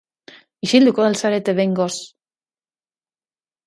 Isilduko al zarete behingoz?